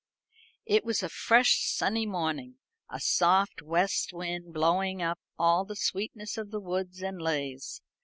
It was a fresh sunny morning, a soft west wind blowing up all the sweetness of the woods and leas.